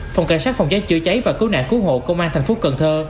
phòng cảnh sát phòng cháy chữa cháy và cứu nạn cứu hộ công an thành phố cần thơ